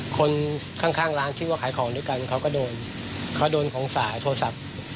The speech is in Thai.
คนข้างร้านที่ว่าขายของด้วยกันเขาก็โดนเขาโดนของสายโทรศัพท์